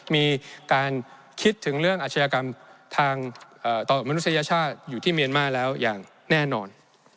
มีการคิดถึงเรื่องอาชญากรรมทางต่อมนุษยชาติอยู่ที่เมียนมาแล้วอย่างแน่นอน